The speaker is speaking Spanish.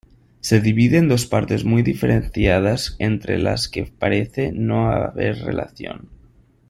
Se divide en dos partes muy diferenciadas entre las que parece no haber relación.